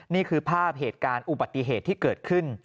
นี่คือภาพเหตุการณ์อุบัติเหตุที่เกิดขึ้น